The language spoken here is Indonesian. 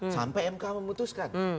sampai mk memutuskan